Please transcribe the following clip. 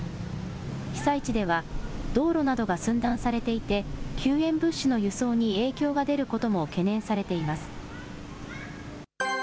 被災地では、道路などが寸断されていて、救援物資の輸送に影響が出ることも懸念されています。